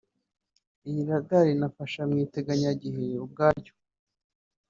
Iyi radar nafasha mu iteganyagihe ubwaryo